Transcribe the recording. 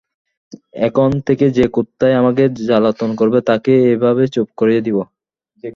এখন থেকে যে কুত্তাই আমাকে জালাতন করবে, তাকে এই ভাবে চুপ করিয়ে দিব।